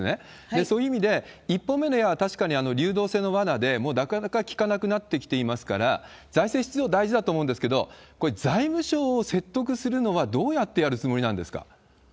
そういう意味で、１本目の矢は確かに流動性のわなで、なかなか効かなくなってきていますから、財政出動大事だと思うんですけど、これ、財務省を説得するのは、どうやってやるつもりなんですか。